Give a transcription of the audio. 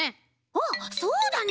あっそうだね。